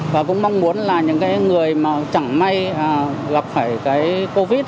và cũng mong muốn là những cái người mà chẳng may gặp phải cái covid